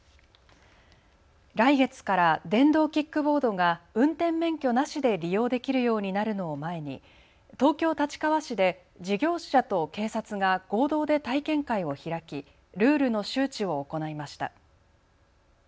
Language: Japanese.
来月から電動キックボードが運転免許なしで利用できるようになるのを前に東京立川市で事業者と警察が合同で体験会を開きルールの周知を行いました。